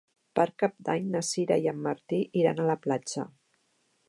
Per Cap d'Any na Sira i en Martí iran a la platja.